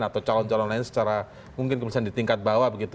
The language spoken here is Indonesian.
atau calon calon lain secara mungkin kemudian di tingkat bawah begitu